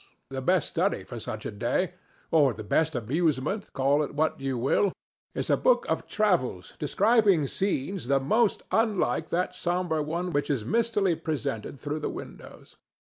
The best study for such a day—or the best amusement: call it what you will—is a book of travels describing scenes the most unlike that sombre one which is mistily presented through the windows.